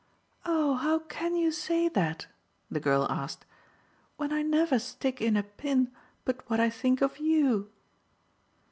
"Oh how can you say that," the girl asked, "when I never stick in a pin but what I think of YOU!"